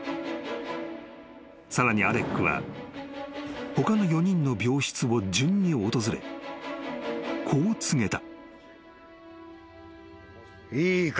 ［さらにアレックは他の４人の病室を順に訪れこう告げた］